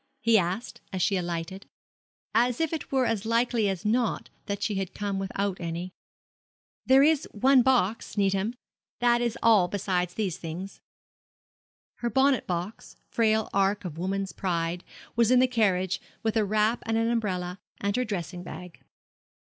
he asked, as she alighted; as if it were as likely as not that she had come without any. 'There is one box, Needham. That is all besides these things.' Her bonnet box frail ark of woman's pride was in the carriage, with a wrap and an umbrella, and her dressing bag.